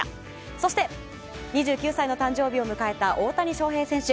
そして２９歳の誕生日を迎えた大谷翔平選手。